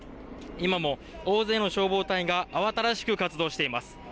今も大勢の消防隊員が慌ただしく活動しています。